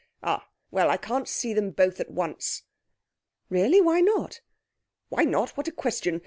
'Ah! Well, I can't see them both at once.' 'Really? Why not?' 'Why not? What a question!